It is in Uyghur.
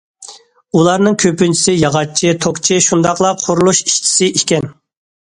ئۇلارنىڭ كۆپىنچىسى ياغاچچى، توكچى شۇنداقلا قۇرۇلۇش ئىشچىسى ئىكەن.